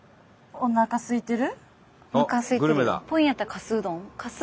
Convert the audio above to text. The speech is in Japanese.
おなかすいてる。